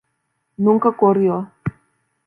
Nunca corrió.